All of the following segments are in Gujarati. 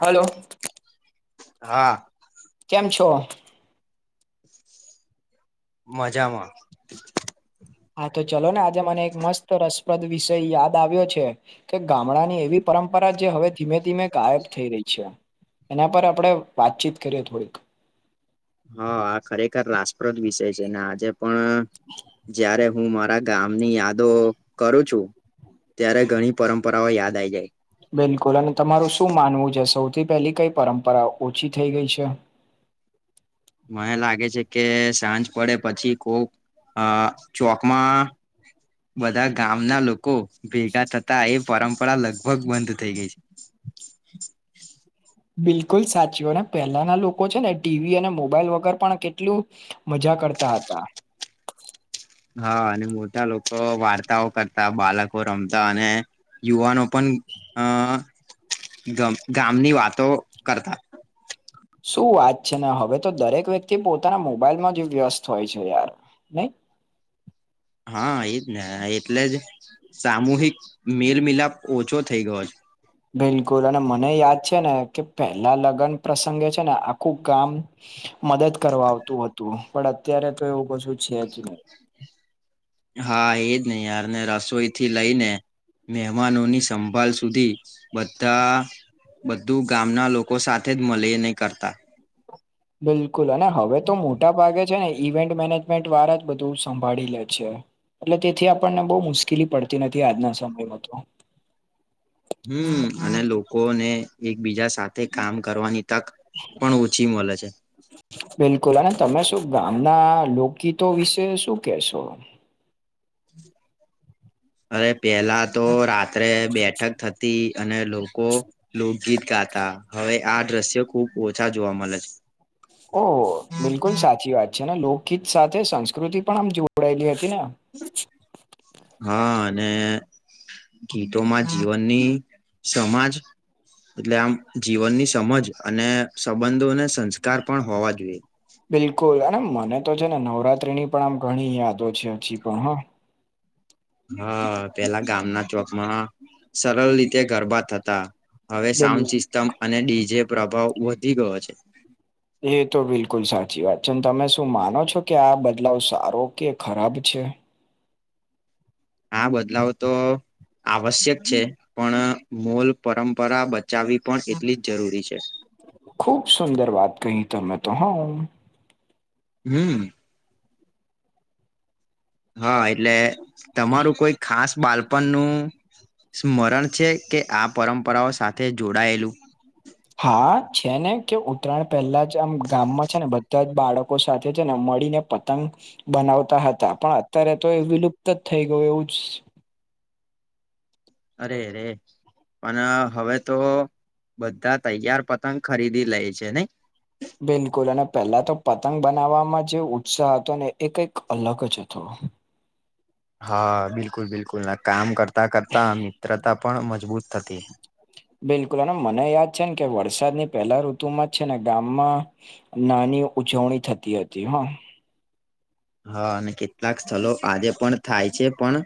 હલો હા કેમ છો મજામાં હા તો ચલો ને આજે મને એક મસ્ત રસપ્રદ વિષય યાદ આવ્યો છે કે ગામડા ની એવી પરંપરા જે હવે ધીમે ધીમે ગાયબ થઈ રહી છે એના પર આપણે વાતચીત કરીએ થોડીક હા આ ખરેખર રાપ્રદ વિષય છે ને આજે પણ જારે હું મારા ગામની યાદો કરું છું ત્યારે ઘણી પરંપરાઓ યાદ આઈ જાય બિલકુલ અને તમારું શું માનવું છે સૌથી પહેલી કઈ પરંપરા ઓછી થઈ ગઈ છે મને લાગે છે કે સાંજ પડે પછી કોક અ ચોકમાં બધા ગામના લોકો ભેગા થતા એ પરંપરા લગભગ બંધ થઇ ગઈ છે બિલકુલ સાચીઓ ને પહેલાના લોકો છે ને ટીવી અને મોબાઈલ વગર પણ કેટલું મજા કરતા હતા હા અને મોટા લોકો વાર્તાઓ કરતા બાળકો રમતા અને યુવાનો પણ અ ગમ ગામની વાતો કરતા શું વાત છે ને હવે તો દરેક વ્યક્તિ પોતાના મોબાઈલમાં જ વ્યસ્ત હોય છે યાર નહી હા એજ ને એટલે જ સામૂહિક મેલ મિલાપ ઓછો થઇ ગયો છે બિલકુલ અને મને યાદ છે ને કે પેલા લગ્ન પ્રસંગે છે ને આખું કામ મદદ કરવા આવતું હતું પણ અત્યારે તો એવું કશું છે જ નહી હા એજ નહી યારને રસોઈ થી લઈ ને મહેમાનોની સંભળ સુધી બધા બધું ગામના લોકો સાથે જ મળે નહીં કરતા બિલકુલ અને હવે તો મોટા ભાગે જ છે ને ઇવેન્ટ મેનેજમેન્ટ વાર જ બધું સંભાળી લે છે એટલે તેથી આપણને બહુ મુશ્કેલી પડતી નથી આજના સમયમાં તો હમ અને લોકોને એકબીજા સાથે કામ કરવાની તક પણ ઓછી મળે છે બિલકુલ અને તમે શું ગામના લોકગીતો વિશે શું કેશો [inaudible] અરે પેલા તો રાત્રે બેઠક થતી અને લોકો લોકગીત ગાતા હવે આ દ્રશ્ય ખુબ ઓછા જોવા મળે છે ઓ બિલકુલ સાચી વાત છે ને લો ગીત સાથે સંસ્કૃતિ પણ આમ જોડાયેલી હતી ને હા અને ગીતોમાં જીવનની સમાજ એટલે આમ જીવનની સમજ અને સંબંધોને સંસ્કાર પણ હોવા જોઈએ બિલકુલ અને મને તો છે ને નવરાત્રી ની પણ આમ ઘણી યાદો છે હજી પણ હ હા પેલા ગામના ચોકમાં સરળ રીતે ગરબા હતા હવે બિલ સાઉન્ડ સિસ્ટમ અને ડીજે પ્રભાવ વધી ગયો છે એ તો બિલકુલ સાચી વાત છે તમે શું માનો છો કે આ બદલાવ સારો કે ખરાબ છે હા બદલાવ તો આવશ્યક છે પણ મોલ પરંપરા બચાવવી પણ એટલી જ જરૂરી છે ખૂબ સુંદર વાત કહી ત મેમે તો હ હમ હા એટલે તમારું કોઈ ખાસ બાલ આપ નું સ્મરણ છે કે આ પરંપરાઓ સાથે જોડાયેલું હા, છે ને કે ઉત્તરાયણ પહેલા જ આમ ગામમાં છે ને બધા જ બાળકો સાથે છે ને મળીને પતંગ બનાવતા હતા પણ અત્યારે તો એ વિલુપ્ત જ થઈ ગયું એવું જ અરેરે પણ હવે તો બધા તૈયાર પતંગ ખરીદી લે છે નને બિલકુલ અને પહેલા તો પતંગ બનાવવામાં જે ઉત્સાહ હતો ને એ કંઈક અલગ જ હતો. હા, બિલકુલ બિલકુલ કામ કરતા કરતા મિત્રતા પણ મજબૂત થતી. બિલકુલ અને મને યાદ છે, ને કે વરસાદની પહેલા ઋતુમાં જ છે ને ગામમાં નાની ઉજવણી થતી હતી, હા હા, અને કેટલાક સ્થળ આજે પણ થાય છે, પણ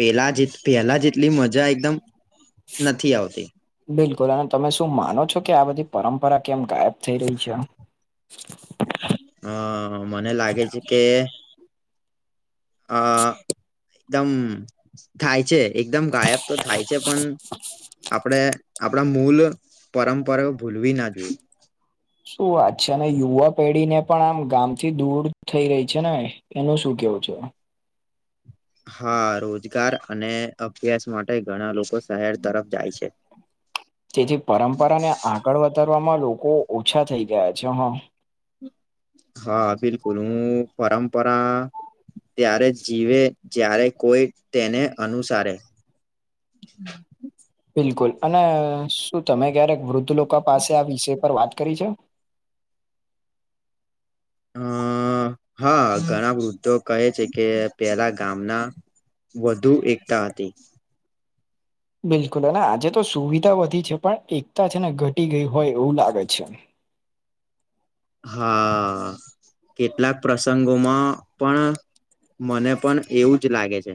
પેલા જે પેલા જેટલી મજા એકદમ નથી આવતી. બિલકુલ અને તમે શું માનો છો કે આ બધી પરંપરા કેમ ગાયબ થઈ રહી છે? હ મને લાગે છે કે અ એકદમ થાય છે. એકદમ ગાયબ તો થાય છે, પણ આપડે આપણા મૂલ પરંપરાઓ ભૂલવી ના જોઈએ. શું વાત છે, અને યુવા પેઢી ને પણ આમ ગામ થી દૂર થઈ રહી છે ને. એનું શું કેવું છે? હા, રોજગાર અને અભ્યાસ માટે ઘણા લોકો શહેર તરફ જાય છે. તેથી પરંપરા ને આગળ વધારવામાં લોકો ઓછા થઈ ગયા છે, હા હા, બિલકુલ હું પરંપરા ત્યારે જીવે જ્યારે કોઈ તેને અનુસારે [unintelligible] બિલકુલ અને શું તમે ક્યારેક વૃદ્ધ લોકો પાસે આ વિષય પર વાત કરી છે. અ હા ઘણા વૃદ્ધો કહે છે, કે પેલા ગામના વધુ એકતા હતી. બિલકુલ અને આજે તો સુવિધા વધી છે, પણ એકતા છે ને ઘટી ગઈ હોય એવું લાગે છે. હા, કેટલાક પ્રસંગોમાં પણ મને પણ એવું જ લાગે છે.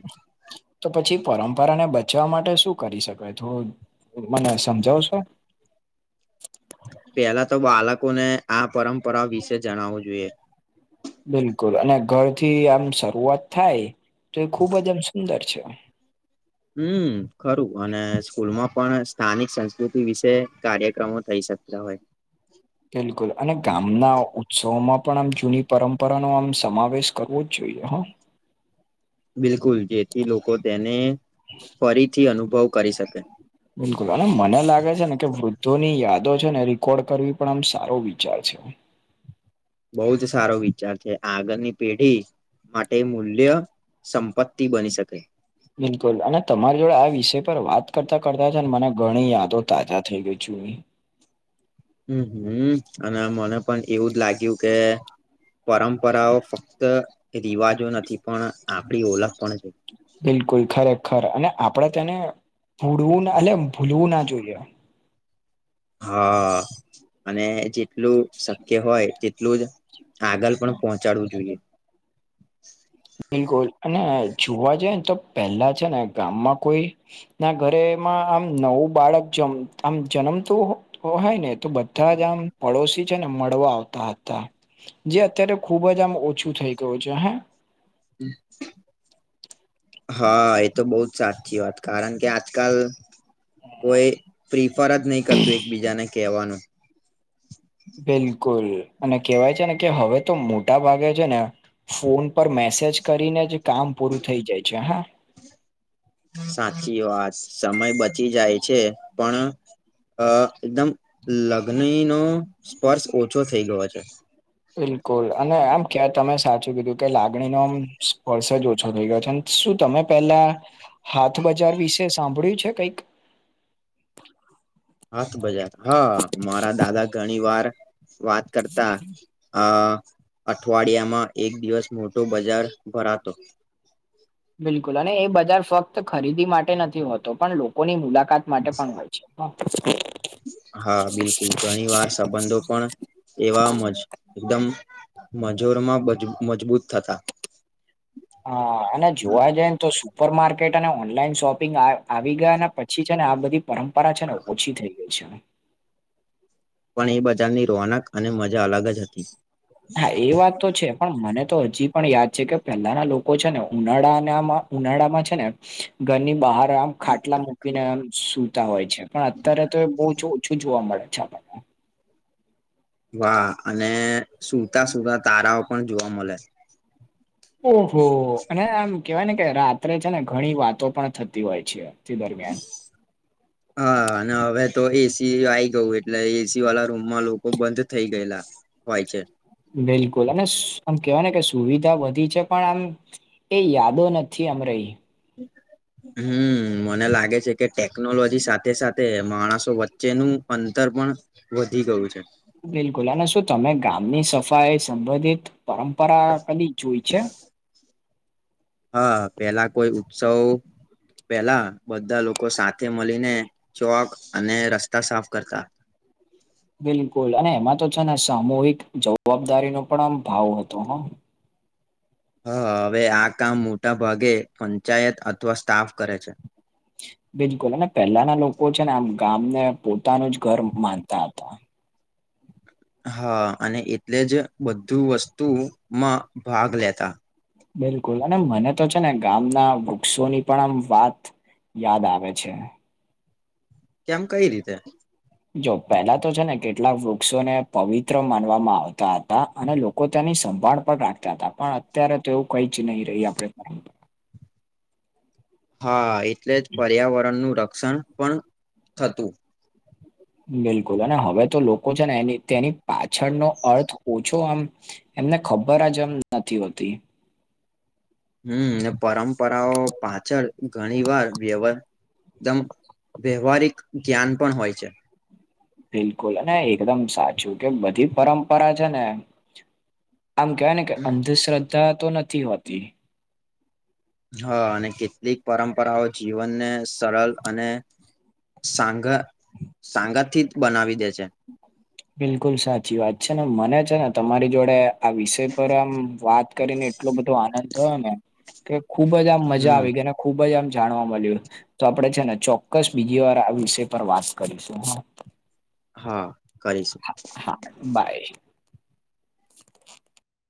તો પછી પરંપરાને બચવા માટે શું કરી શકાય થોડુ મને સમજાવ છો? પેલા તો બાળકોને આ પરંપરા વિશે જણાવવું જોઈએ, બિલકુલ અને ઘર થી આમ શરૂઆત થાય તો એ ખુબ જ એમ સુંદર છે. હમ્મ ખરું અને સ્કૂલમાં પણ સ્થાનિક સંસ્કૃતિ વિશે કાર્યક્રમો થઈ શકતા હોય. બિલકુલ અને ગામના ઉત્સવમાં પણ આમ જૂની પરંપરાનોો આમ સમાવેશ કરવો જ જોઈએ હા બિલકુલ જેથી લોકો તેને ફરીથી અનુભવ કરી શકે. બિલકુલ અને મને લાગે છે ને કે વૃદ્ધો ની યાદો છે ને રેકોર્ડ કરવી પણ આમ સારો વિચાર છે. બહ જ સારો વિચાર છે, આગળની પેઢી માટે મૂલ્ય સંપત્તિ બની શકે, બિલકુલ અને તમારી જોડે આ વિષય પર વાત કરતા કરતા છે ને મને ઘણી યાદો તાજા થઈ ગઈ છુ. હમ્મ હમ્મ અને મને પણ એવું જ લાગ્યું કે પરંપરાઓ ફક્ત રિવાજો નથી પણ આપણી ઓળખ પણ છે. બિલકુલ ખરેખર અને આપડે તેને ભૂલવું ના એટલે [unintelligible] ભૂલવું ના જોઈએ. હા, અને જેટલું શક્ય હોય તેટલું જ આગળ પણ પહોંચાડવું જોઈએ. બિલકુલ અને જોવા જઈ ને તો પહેલા છે, ને ગામમાં કોઈ ના ઘરેમાં આમ નવું બાળક જમ આમ જન્મતુ ઓ [unintelligible] હાય ને તો બધા જ આમ પડોશી ને મળવા આવતા હતા જે અત્યારે ખુબ જ આમ ઓછું થઈ ગયું છે હ [inaudible] હા એ તો બહ જ સાચી વાત કારણ કે આ આજકાલ કોઈ પ્રિફર જ નહી કરતું એકબીજાને કહેવાનું બિલકુલ અને કેહેવાય છે ને કે હવે તો મોટા ભાગે છે ને ફોન પર મેસેજ કરીને જ કામ પૂરું થઈ જાય છે હા સાચી વાત સમય બચી જાય છે પણ અ એકદમ લગની નો સ્પર્શ ઓછો થઈ ગયો છે બિલકુલ અને આમ ક્યાં તમે સાચું કીધું કે લાગણીનો આમ સ્પર્શ જ ઓછો થઈ ગયો છે ને શું તમે પેલા હાથ બજાર વિશે સાંભળ્યું છે કઈક હાથ બજાર હા મારા દાદા ઘણી વાર વાત કરતા અ અઠવાડિયામાં એક દિવસ મોટો બજાર ભરાતો બિલકુલ અને એ બજાર ફક્ત ખરીદી માટે નથી હોતો પણ લોકોની મુલાકાત માટે પણ હોય વા [inaudible] હા બિલકુલ ઘણી વાર સંબંધો પણ એવા માંજ એકદમ મજૂરમાં મજબૂત થતા હા અને જોવા જાય ને તો સુપર માર્કેટ અને ઓનલાઈન શોપિંગ આવી ગયા અને પછી છે ને આ બધી પરંપરા છે ને ઓછી થઈ ગઈ છે પણ એ બજારની રોનક અને મજા અલગ જ હતી હા એ વાત તો છે પણ મને તો હજી પણ યાદ છે કે પહેલાના લોકો છે ને ઉનાળાનામાં ઉનાળામાં છે ને ઘરની બહાર આમ ખાટલા મૂકીને એમ સૂતા હોય છે પણ અત્યારે તો એ બહુ જ ઓછું જોવા મળે છે આપણને વાહ અને સુતા સુતા તારાઓ પણ જોવા મળે છે ઓહો અને આમ કેવાય ને કે રાત્રે છે ને ઘણી વાતો પણ થતી હોય છે દરમિયાન હા અને હવે તો એસી આઈ ગયું એટલે એસી વાળા રૂમમાં લોકો બંધ થઇ ગયેલા હોય છે બિલકુલ અને આમ કેવાય ને કે સુવિધા વધી છે પણ આમ એ યાદો નથી અમ રહી હ [inaudible] હમ મને લાગે છે કે ટેકનોલોજી સાથે સાથે માણસો વચ્ચેનું અંતર પણ વધી ગયું છે બિલકુલ અને શું તમે ગામની સફાઈ સંબંધિત પરંપરા કદી જોઈ છે હા પેલા કોઈ ઉત્સવ પેલા બધા લોકો સાથે મળીને ચોક અને રસ્તા સાફ કરતા બિલકુલ અને એમાં તો છે ને સામૂહિક જવાબદારીનો પણ આમ ભાવ હતો હા હા હવે આ કામ મોટા ભાગે પંચાયત અથવા સ્ટાફ કરે છે બિલકુલ ને પેલાના લોકો છે ને આમ ગામ ને પોતાનું જ ઘર માનતા હતા હા અને એટલે જ બધું વસ્તુમાં ભાગ લેતા બિલકુલ અને મને તો છે ને ગામના વૃક્ષોની પણ આમ વાત યાદ આવેે છે કેમ કઈ રીતે જો પેલા તો છે ને કેટલાક વૃક્ષોને પવિત્ર માનવામાં આવતા હતા અને લોકો તેની સંભાળ પણ રાખતા હતા પણ અત્યારે તો એવું કઈ જ નહી રહી આપ [inaudible] હા એટલે જ પર્યાવરણનુંું રક્ષણ પણ થતું બિલકુલ અને હવે તો લોકો છે ને એ તેની પાછળનોો અર્થ ઓછો આમ એમને ખબર જ એમ નથી હોતી હમ પરંપરાઓ પાછળ ઘણી વાર વ્યવ એકદમ વ્યવહારિક જ્ઞાન પણ હોય છે બિલકુલ અને એકદમ સાચું કે બધી પરંપરા છે ને આમ કેવાય ને કે અંધશ્રદ્ધા તો નથી હોતી હા અને કેટલીક પરંપરાઓ જીવનને સરળ અને સાઘા સાંંગા થી જ બનાવી દે છે બિલકુલ સાચી વાત છે ને મને છે ને તમારી જોડે આ વિષય પર આમ વાત કરીને એટલો બધો આનંદ થયો ને કે ખુબ જ આમ મજા હમ આવી ગઈને ખુબ જ આમ જાણવા મળ્યું તો આપણેે છે ને ચોક્કસ બીજી વાર આ વિષય પર વાત કરીશું હા કરીશું હા બાય